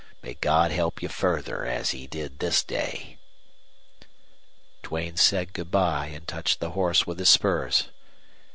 May God help you further as he did this day!" Duane said good by and touched the horse with his spurs.